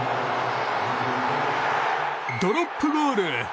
ドロップゴール！